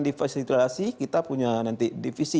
difasilitasi kita punya nanti divisi